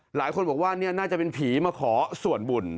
หลายคนบอกว่านี่น่าจะเป็นผีมาขอส่วนบุญ